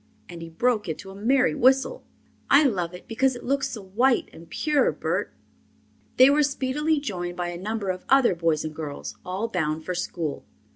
And he broke into a merry whistle. "I love it because it looks so white and pure, Bert." They were speedily joined by a number of other boys and girls, all bound for school.